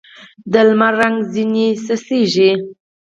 د لمر رنګ ځیني څڅېږي